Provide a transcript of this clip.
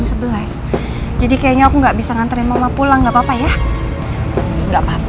mama tidak akan sering datang ke rumah papa vijaya perlahan